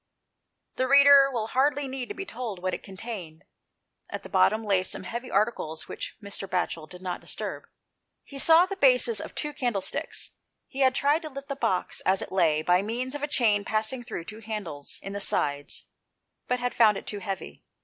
The reader will hardly need to be told what it contained. At the bottom lay some heavy articles which Mr. Batchel did not disturb. He saw the bases of two candlesticks. He had tried to lift the box, as it lay, by means of a chain passing through two handles in the sides, but had found it too heavy.